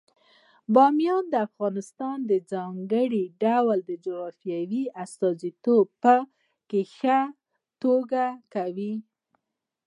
بامیان د افغانستان د ځانګړي ډول جغرافیې استازیتوب په ښه توګه کوي.